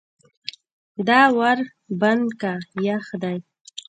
دا ور بند که یخ دی.